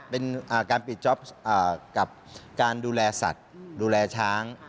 เป็นการปิดจ๊อปกับการดูแลสัตว์ดูแลช้าง